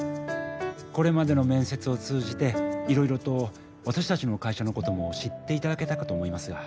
これまでの面接を通じていろいろと私たちの会社のことも知っていただけたかと思いますが。